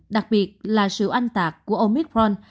đặc biệt là sự anh tạc của omicron